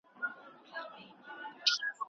انارګل د غره څوکې ته کتل.